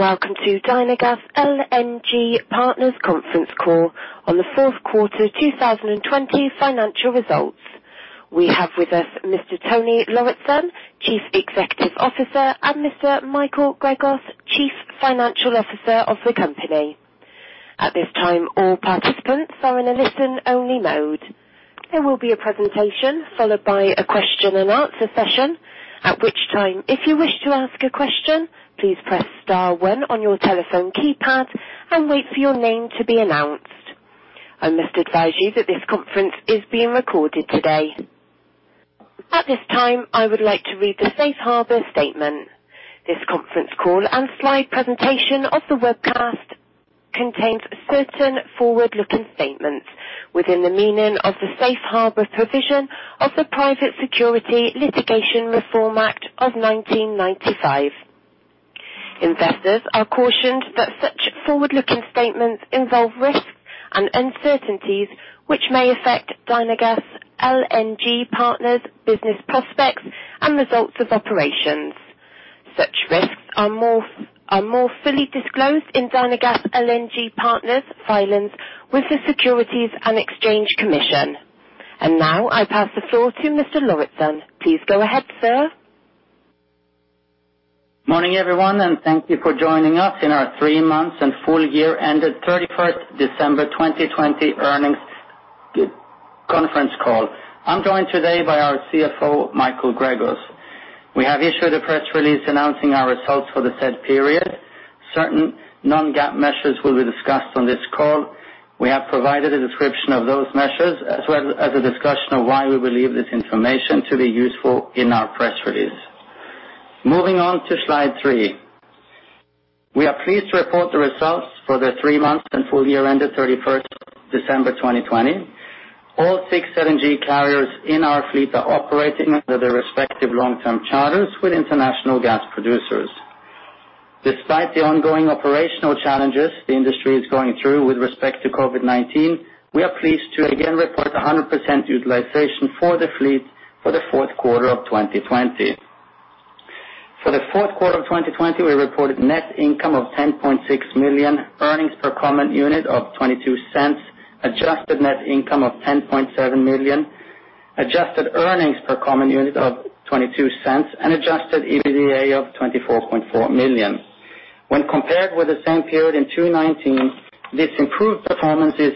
Welcome to Dynagas LNG Partners Conference Call on the Fourth Quarter 2020 Financial Results. We have with us Mr. Tony Lauritzen, Chief Executive Officer, and Mr. Michael Gregos, Chief Financial Officer of the company. At this time, all participants are in a listen-only mode. There will be a presentation followed by a question and answer session. At which time, if you wish to ask a question, please press star one on your telephone keypad and wait for your name to be announced. I must advise you that this conference is being recorded today. At this time, I would like to read the safe harbor statement. This conference call and slide presentation of the webcast contains certain forward-looking statements within the meaning of the safe harbor provision of the Private Securities Litigation Reform Act of 1995. Investors are cautioned that such forward-looking statements involve risks and uncertainties which may affect Dynagas LNG Partners business prospects and results of operations. Such risks are more fully disclosed in Dynagas LNG Partners filings with the Securities and Exchange Commission. Now I pass the floor to Mr. Lauritzen. Please go ahead, sir. Morning, everyone, and thank you for joining us in our three months and full year ended 31st December 2020 earnings conference call. I am joined today by our CFO, Michael Gregos. We have issued a press release announcing our results for the said period. Certain non-GAAP measures will be discussed on this call. We have provided a description of those measures, as well as a discussion of why we believe this information to be useful in our press release. Moving on to slide three. We are pleased to report the results for the three months and full year ended 31st December 2020. All six LNG carriers in our fleet are operating under their respective long-term charters with international gas producers. Despite the ongoing operational challenges the industry is going through with respect to COVID-19, we are pleased to again report 100% utilization for the fleet for the fourth quarter of 2020. For the fourth quarter of 2020, we reported net income of $10.6 million, earnings per common unit of $0.22, adjusted net income of $10.7 million, adjusted earnings per common unit of $0.22, and adjusted EBITDA of $24.4 million. When compared with the same period in 2019, this improved performance is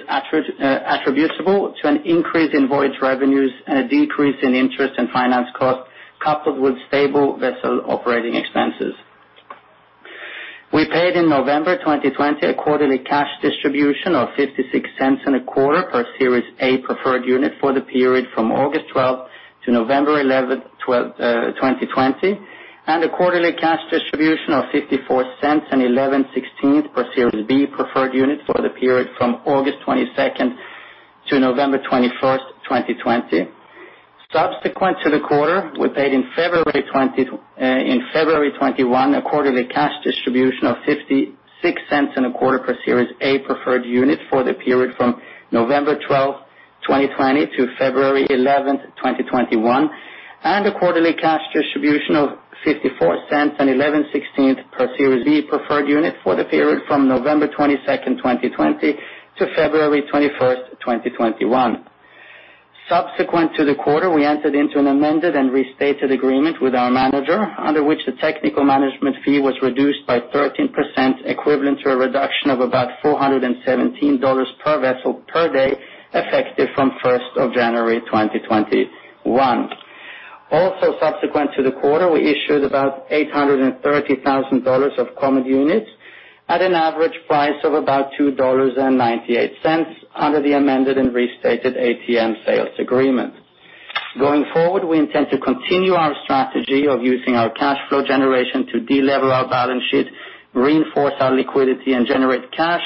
attributable to an increase in voyage revenues and a decrease in interest and finance costs, coupled with stable vessel operating expenses. We paid in November 2020 a quarterly cash distribution of $0.5625 per Series A Preferred Units for the period from August 12 to November 11, 2020, and a quarterly cash distribution of $0.546875 per Series B Preferred Units for the period from August 22nd to November 21st, 2020. Subsequent to the quarter, we paid in February 2021 a quarterly cash distribution of $0.56 and a quarter per Series A Preferred Units for the period from November 12, 2020 to February 11, 2021, and a quarterly cash distribution of $0.54 and 11 sixteenths per Series B Preferred Units for the period from November 22nd, 2020 to February 21st, 2021. Subsequent to the quarter, we entered into an amended and restated agreement with our manager, under which the technical management fee was reduced by 13%, equivalent to a reduction of about $417 per vessel per day, effective from 1st of January 2021. Also subsequent to the quarter, we issued about $830,000 of common units at an average price of about $2.98 under the amended and restated ATM sales agreement. Going forward, we intend to continue our strategy of using our cash flow generation to de-lever our balance sheet, reinforce our liquidity, and generate cash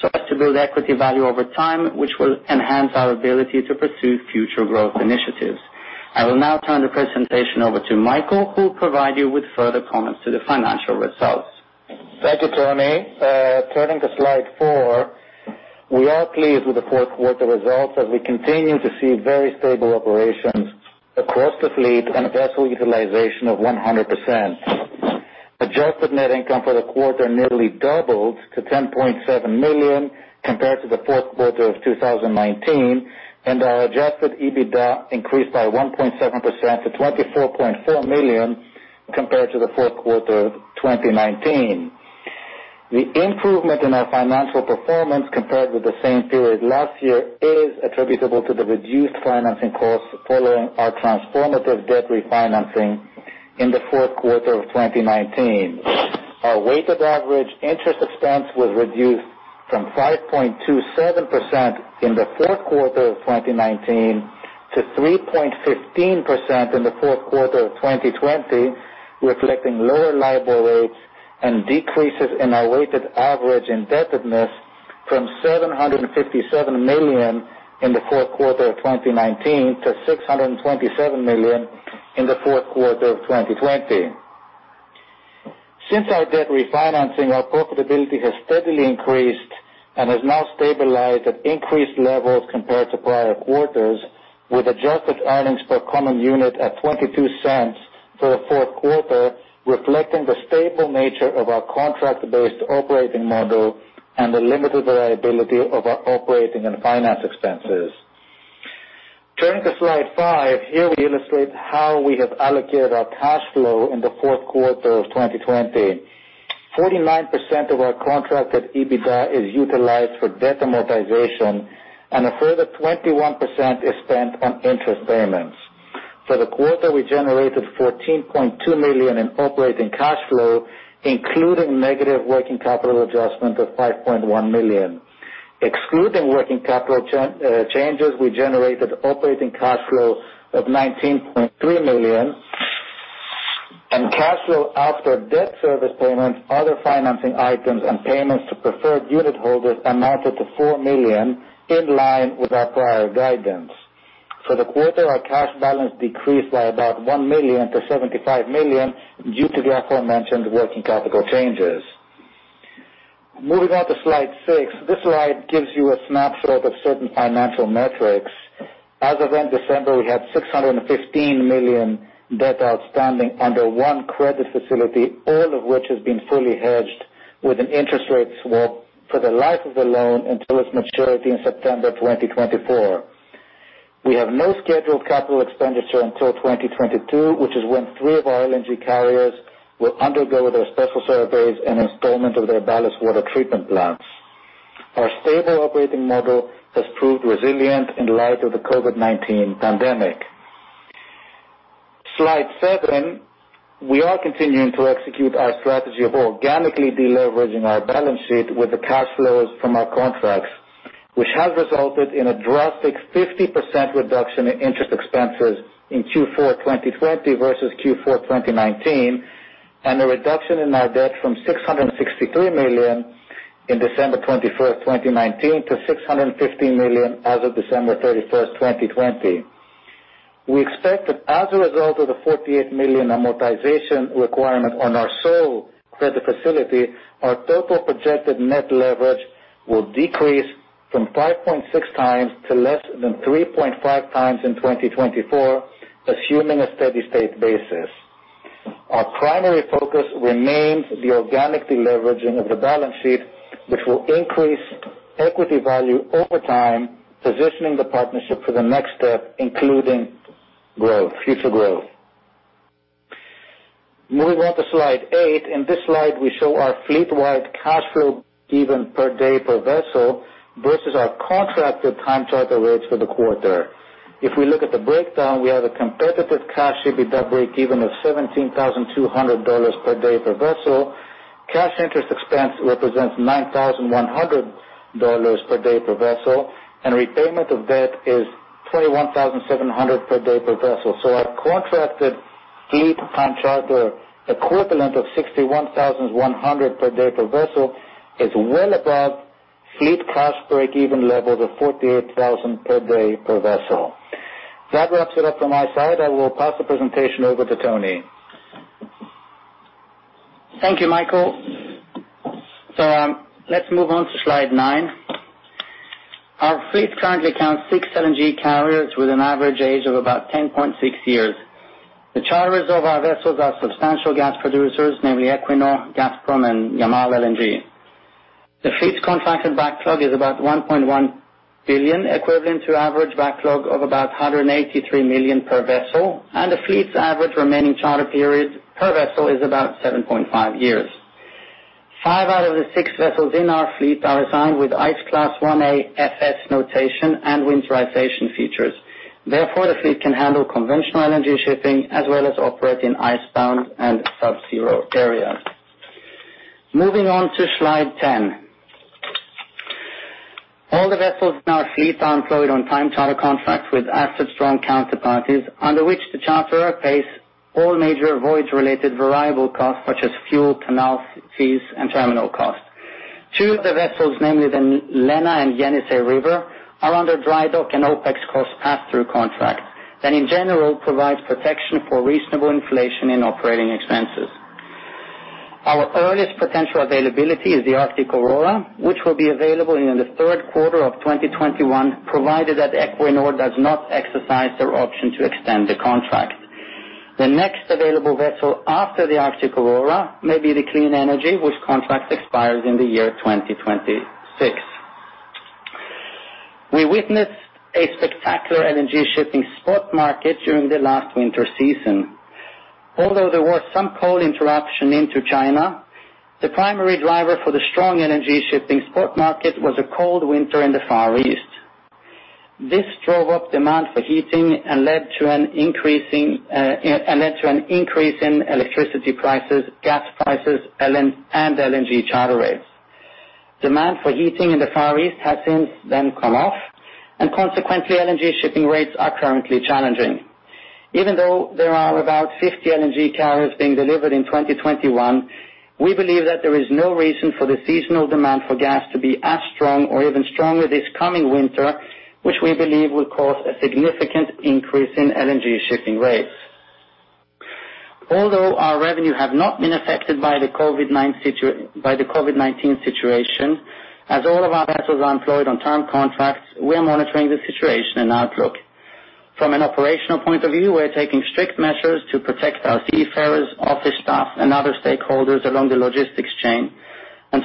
so as to build equity value over time, which will enhance our ability to pursue future growth initiatives. I will now turn the presentation over to Michael, who will provide you with further comments to the financial results. Thank you, Tony. Turning to slide four. We are pleased with the fourth quarter results as we continue to see very stable operations across the fleet and a vessel utilization of 100%. Adjusted net income for the quarter nearly doubled to $10.7 million compared to the fourth quarter of 2019, and our adjusted EBITDA increased by 1.7% to $24.4 million compared to the fourth quarter of 2019. The improvement in our financial performance compared with the same period last year is attributable to the reduced financing costs following our transformative debt refinancing in the fourth quarter of 2019. Our weighted average interest expense was reduced from 5.27% in the fourth quarter of 2019 to 3.15% in the fourth quarter of 2020, reflecting lower LIBOR rates and decreases in our weighted average indebtedness from $757 million in the fourth quarter of 2019 to $627 million in the fourth quarter of 2020. Since our debt refinancing, our profitability has steadily increased and has now stabilized at increased levels compared to prior quarters, with adjusted earnings per common unit at $0.22 for the fourth quarter, reflecting the stable nature of our contract-based operating model and the limited variability of our operating and finance expenses. Turning to slide five. 49% of our contracted EBITDA is utilized for debt amortization, and a further 21% is spent on interest payments. For the quarter, we generated $14.2 million in operating cash flow, including negative working capital adjustment of $5.1 million. Excluding working capital changes, we generated operating cash flow of $19.3 million. Cash flow after debt service payments, other financing items, and payments to preferred unit holders amounted to $4 million, in line with our prior guidance. For the quarter, our cash balance decreased by about $1 million to $75 million due to the aforementioned working capital changes. Moving on to slide six. This slide gives you a snapshot of certain financial metrics. As of end December, we had $615 million debt outstanding under one credit facility, all of which has been fully hedged with an interest rate swap for the life of the loan until its maturity in September 2024. We have no scheduled capital expenditure until 2022, which is when three of our LNG carriers will undergo their special surveys and installment of their ballast water treatment plants. Our stable operating model has proved resilient in light of the COVID-19 pandemic. Slide seven. We are continuing to execute our strategy of organically deleveraging our balance sheet with the cash flows from our contracts, which has resulted in a drastic 50% reduction in interest expenses in Q4 2020 versus Q4 2019, and a reduction in our debt from $663 million in December 31st, 2019, to $615 million as of December 31st, 2020. We expect that as a result of the $48 million amortization requirement on our sole credit facility, our total projected net leverage will decrease from 5.6x to less than 3.5x in 2024, assuming a steady state basis. Our primary focus remains the organic deleveraging of the balance sheet, which will increase equity value over time, positioning the partnership for the next step, including future growth. Moving on to slide eight. In this slide, we show our fleet-wide cash flow even per day per vessel, versus our contracted time charter rates for the quarter. If we look at the breakdown, we have a competitive cash EBITDA breakeven of $17,200 per day per vessel. Cash interest expense represents $9,100 per day per vessel, and repayment of debt is $21,700 per day per vessel. Our contracted fleet time charter equivalent of $61,100 per day per vessel is well above fleet cash breakeven levels of $48,000 per day per vessel. That wraps it up on my side. I will pass the presentation over to Tony. Thank you, Michael. Let's move on to slide nine. Our fleet currently counts six LNG carriers with an average age of about 10.6 years. The charterers of our vessels are substantial gas producers, namely Equinor, Gazprom, and Yamal LNG. The fleet's contracted backlog is about $1.1 billion, equivalent to average backlog of about $183 million per vessel, and the fleet's average remaining charter period per vessel is about 7.5 years. Five out of the six vessels in our fleet are assigned with Ice Class 1A FS notation and winterization features. Therefore, the fleet can handle conventional LNG shipping as well as operate in icebound and sub-zero areas. Moving on to slide 10. All the vessels in our fleet are employed on time charter contracts with asset-strong counterparties, under which the charterer pays all major voyage related variable costs such as fuel, canal fees, and terminal costs. Two of the vessels, namely the Lena and Yenisei River, are under dry dock and OpEx cost pass-through contract, that in general, provides protection for reasonable inflation in operating expenses. Our earliest potential availability is the Arctic Aurora, which will be available in the third quarter of 2021, provided that Equinor does not exercise their option to extend the contract. The next available vessel after the Arctic Aurora may be the Clean Energy, which contract expires in the year 2026. We witnessed a spectacular LNG shipping spot market during the last winter season. Although there was some coal interruption into China, the primary driver for the strong LNG shipping spot market was a cold winter in the Far East. This drove up demand for heating and led to an increase in electricity prices, gas prices, and LNG charter rates. Demand for heating in the Far East has since then come off, consequently, LNG shipping rates are currently challenging. Even though there are about 50 LNG carriers being delivered in 2021, we believe that there is no reason for the seasonal demand for gas to be as strong or even stronger this coming winter, which we believe will cause a significant increase in LNG shipping rates. Although our revenue have not been affected by the COVID-19 situation, as all of our vessels are employed on term contracts, we are monitoring the situation and outlook. From an operational point of view, we're taking strict measures to protect our seafarers, office staff, and other stakeholders along the logistics chain.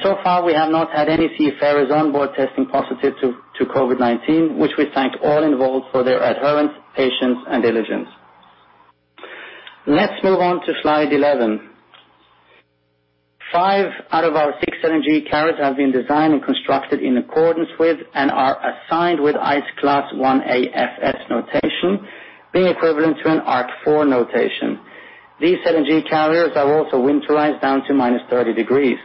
So far, we have not had any seafarers onboard testing positive to COVID-19, which we thank all involved for their adherence, patience, and diligence. Let's move on to slide 11. Five out of our six LNG carriers have been designed and constructed in accordance with, and are assigned with Ice Class 1A FS notation, being equivalent to an Arc4 notation. These LNG carriers are also winterized down to -30 degrees.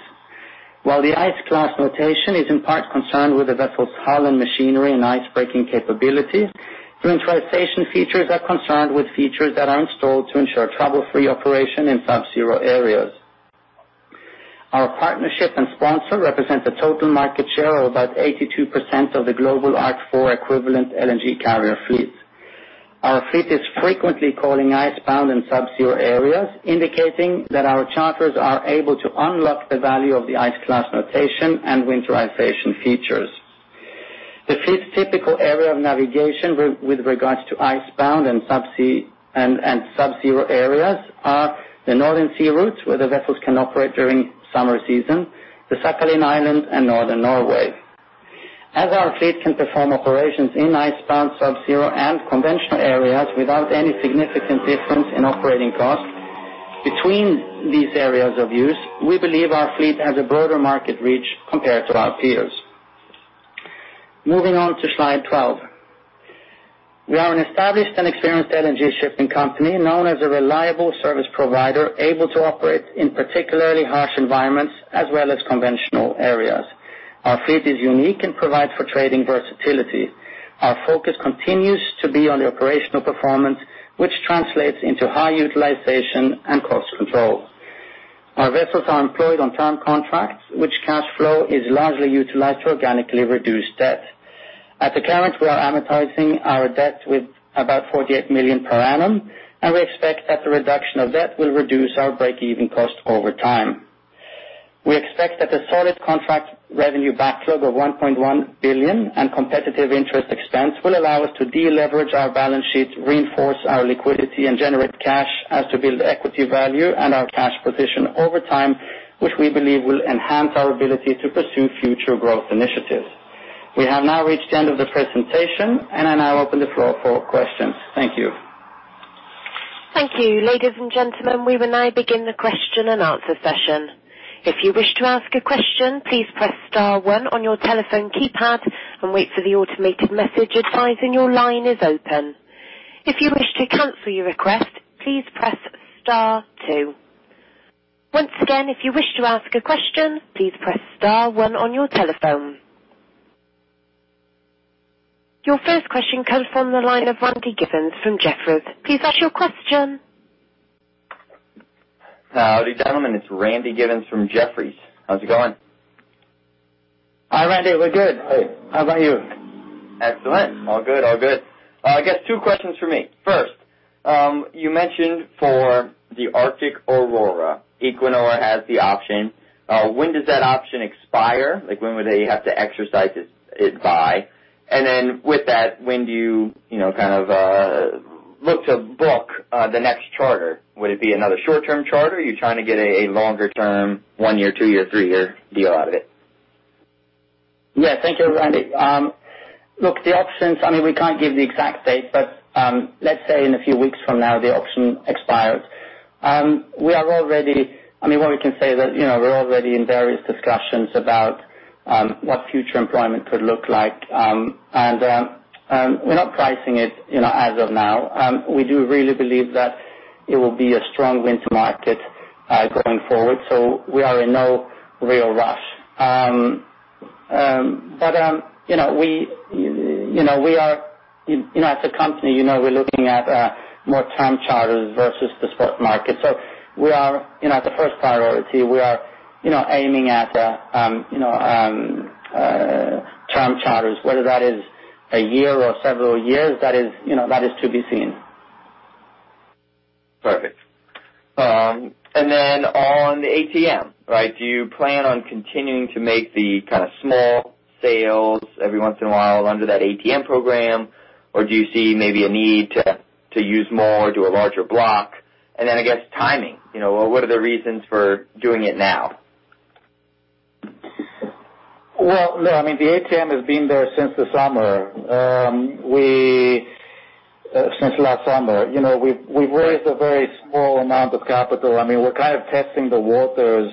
While the Ice Class notation is in part concerned with the vessel's hull and machinery and icebreaking capability, winterization features are concerned with features that are installed to ensure trouble-free operation in subzero areas. Our partnership and sponsor represent a total market share of about 82% of the global Arc4 equivalent LNG carrier fleet. Our fleet is frequently calling icebound and subzero areas, indicating that our charters are able to unlock the value of the Ice Class notation and winterization features. The fifth typical area of navigation with regards to icebound and subzero areas are the Northern Sea routes, where the vessels can operate during summer season, the Sakhalin Island, and northern Norway. As our fleet can perform operations in icebound, subzero, and conventional areas without any significant difference in operating costs between these areas of use, we believe our fleet has a broader market reach compared to our peers. Moving on to slide 11. We are an established and experienced LNG shipping company, known as a reliable service provider, able to operate in particularly harsh environments as well as conventional areas. Our fleet is unique and provides for trading versatility. Our focus continues to be on the operational performance, which translates into high utilization and cost control. Our vessels are employed on term contracts, which cash flow is largely utilized to organically reduce debt. At the current, we are amortizing our debt with about $48 million per annum, and we expect that the reduction of debt will reduce our break-even cost over time. We expect that the solid contract revenue backlog of $1.1 billion and competitive interest expense will allow us to de-leverage our balance sheet, reinforce our liquidity, and generate cash as to build equity value and our cash position over time, which we believe will enhance our ability to pursue future growth initiatives. We have now reached the end of the presentation, and I now open the floor for questions. Thank you. Thank you. Ladies and gentlemen, we will now begin the question and answer session. If you wish to ask a question, please press star one on your telephone keyboard and wait for the automated message advising your line is open. If you wish to cancel your request, please press star two. Once again, if you wish to ask a question, please press star one on your telephone. Your first question comes from the line of Randy Giveans from Jefferies. Please ask your question. Howdy, gentlemen. It's Randy Giveans from Jefferies. How's it going? Hi, Randy. We're good. Hi. How about you? Excellent. All good. I guess two questions from me. First, you mentioned for the Arctic Aurora, Equinor has the option. When does that option expire? When would they have to exercise it by? With that, when do you look to book the next charter? Would it be another short-term charter? Are you trying to get a longer-term, one-year, two-year, three-year deal out of it? Yeah. Thank you, Randy. Look, the options, we can't give the exact date, but let's say in a few weeks from now, the option expires. What we can say is that we're already in various discussions about what future employment could look like. We're not pricing it as of now. We do really believe that it will be a strong winter market going forward, so we are in no real rush. As a company, we're looking at more term charters versus the spot market. As a first priority, we are aiming at term charters, whether that is a year or several years, that is to be seen. Perfect. On the ATM, do you plan on continuing to make the small sales every once in a while under that ATM program, or do you see maybe a need to use more, do a larger block? I guess, timing. What are the reasons for doing it now? Well, look, the ATM has been there since last summer. We've raised a very small amount of capital. We're kind of testing the waters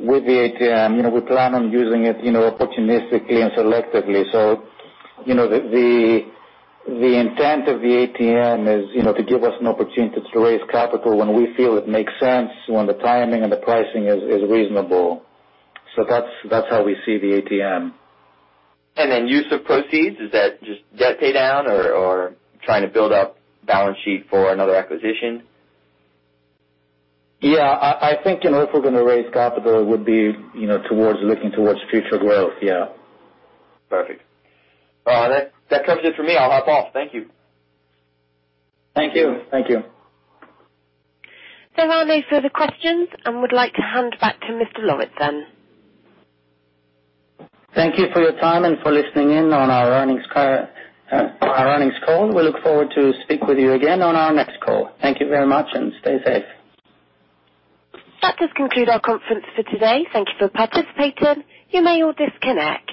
with the ATM. We plan on using it opportunistically and selectively. The intent of the ATM is to give us an opportunity to raise capital when we feel it makes sense when the timing and the pricing is reasonable. That's how we see the ATM. Use of proceeds, is that just debt pay down or trying to build up balance sheet for another acquisition? Yeah. I think if we're going to raise capital, it would be looking towards future growth, yeah. Perfect. All right. That covers it for me. I'll hop off. Thank you. Thank you. Thank you. There are no further questions. I would like to hand back to Mr. Lauritzen. Thank you for your time and for listening in on our earnings call. We look forward to speak with you again on our next call. Thank you very much, and stay safe. That does conclude our conference for today. Thank you for participating. You may all disconnect.